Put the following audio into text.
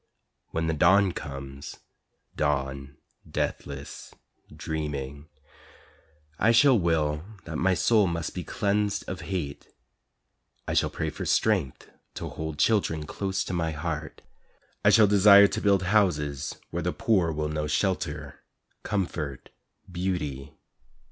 When the Dawn comes Dawn, deathless, dreaming I shall will that my soul must be cleansed of hate, I shall pray for strength to hold children close to my heart, I shall desire to build houses where the poor will know shelter, comfort, beauty.